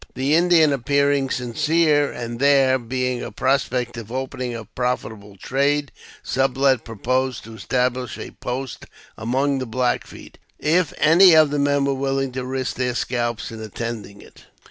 The Indian appearing sincere, and there being a prospect ol opening a profitable trade, Sublet proposed to establish a post among the Black Feet if any of the men were wilHng to risk their scalps in attending it.